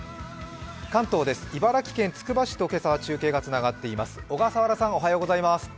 関東です、茨城県つくば市と今朝は中継がつながっています。